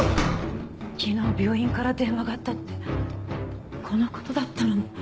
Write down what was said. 昨日病院から電話があったってこの事だったのね。